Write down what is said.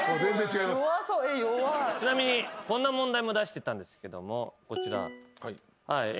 ちなみにこんな問題も出してたんですけどもこちら。